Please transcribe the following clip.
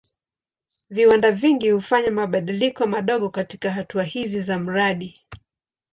Viwanda vingi hufanya mabadiliko madogo katika hatua hizi za mradi.